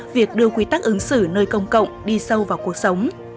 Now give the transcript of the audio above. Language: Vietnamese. việc đưa quy tắc ứng xử nơi công cộng đi sâu vào cuộc sống